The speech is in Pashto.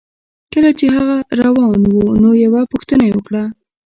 کله چې هغه روان و نو یوه پوښتنه یې وکړه